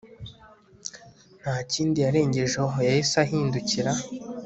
ntakindi yarengejeho yahise ahindukira